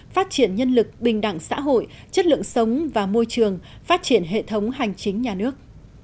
phát triển nhân lực bình đẳng xã hội chất lượng sống và môi trường phát triển hệ thống hành chính nhà nước